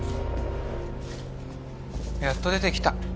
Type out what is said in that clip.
やっと出てきた。